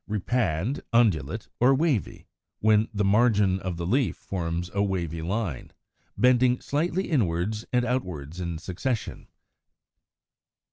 Repand, Undulate, or Wavy, when the margin of the leaf forms a wavy line, bending slightly inwards and outwards in succession; as in Fig.